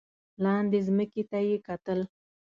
لاندې ځمکې ته یې کتل.